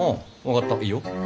分かったいいよ。